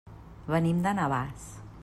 Venim de Navàs.